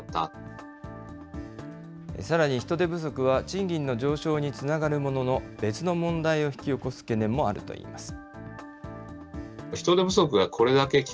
賃金の上昇につながるものの、別の問題を引き起こす懸念もあるといいます。